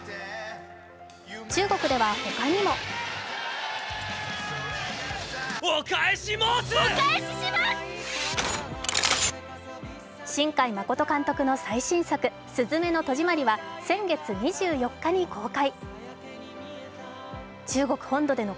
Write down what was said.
中国では他にも新海誠監督の最新作「すずめの戸締まり」は先月２４日に公開。